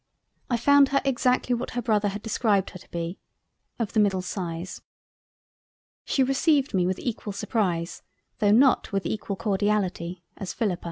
I found her exactly what her Brother had described her to be—of the middle size. She received me with equal surprise though not with equal Cordiality, as Philippa.